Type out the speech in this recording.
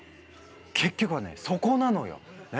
結局はねそこなのよ！ね！